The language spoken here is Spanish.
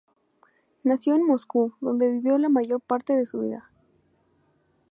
Nació en Moscú, donde vivió la mayor parte de su vida.